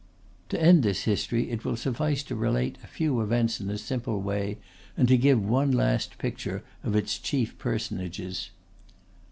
To end this history it will suffice to relate a few events in a simple way, and to give one last picture of its chief personages.